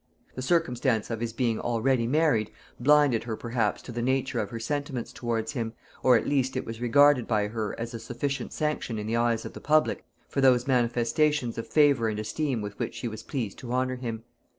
The circumstance of his being already married, blinded her perhaps to the nature of her sentiments towards him, or at least it was regarded by her as a sufficient sanction in the eyes of the public for those manifestations of favor and esteem with which she was pleased to honor him.